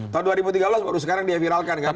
tahun dua ribu tiga belas baru sekarang dia viralkan kan